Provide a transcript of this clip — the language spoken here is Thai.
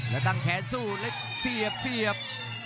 แล้วตั้งแขนสู้เล็กเสียบ